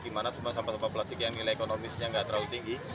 dimana semua sampah sampah plastik yang nilai ekonomisnya gak terlalu tinggi